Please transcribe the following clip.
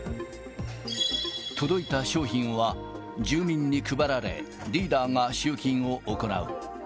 届いた商品は住民に配られ、リーダーが集金を行う。